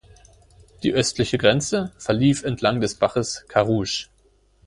Die östliche Grenze verlief entlang des Baches Carrouge.